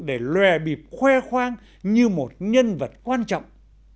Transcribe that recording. để lòe bịp khoe khoang như một nhân vật quan trọng